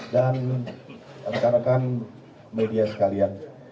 dan rekan rekan media sekalian